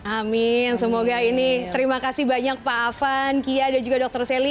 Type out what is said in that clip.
amin semoga ini terima kasih banyak pak afan kia dan juga dr sally